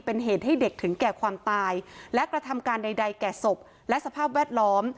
เป็นเหตุให้เด็กถึงแก่ความตายและกระทำการใดแก่ศพและสภาพแวดล้อม